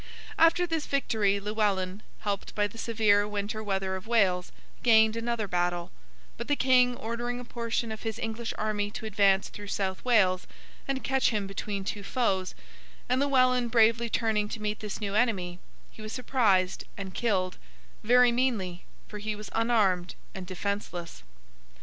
After this victory Llewellyn, helped by the severe winter weather of Wales, gained another battle; but the King ordering a portion of his English army to advance through South Wales, and catch him between two foes, and Llewellyn bravely turning to meet this new enemy, he was surprised and killed—very meanly, for he was unarmed and defenceless.